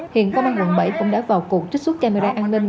hiện công an quận bảy cũng đã vào cuộc trích xuất camera an ninh